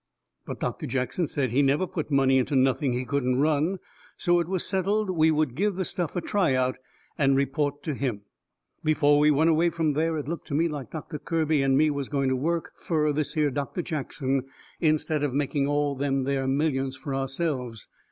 But Doctor Jackson said he never put money into nothing he couldn't run. So it was settled we would give the stuff a try out and report to him. Before we went away from there it looked to me like Doctor Kirby and me was going to work fur this here Doctor Jackson, instead of making all them there millions fur ourselves.